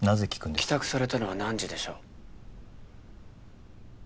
帰宅されたのは何時でしょう？